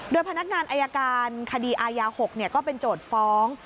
โดยพนักงานอายการคดีอายา๖ก็เป็นโจทย์ฟ้อง